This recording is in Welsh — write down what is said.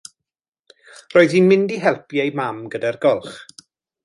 Roedd hi'n mynd i helpu ei mam gyda'r golch.